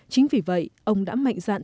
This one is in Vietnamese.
chính vì vậy ông đã mạnh dạn